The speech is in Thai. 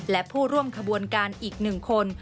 และผู้ร่วมขบวนการอีก๑คน